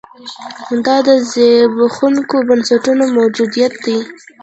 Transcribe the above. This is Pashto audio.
دا د زبېښونکو بنسټونو موجودیت دی.